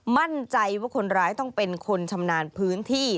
มั่นใจว่าคนร้ายต้องเป็นคนชำนาญพื้นที่